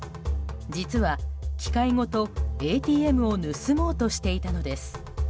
実は、機械ごとＡＴＭを盗もうとしていたのです。